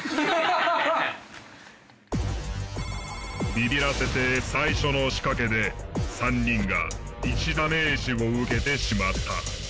ビビらせ邸最初の仕掛けで３人が１ダメージを受けてしまった。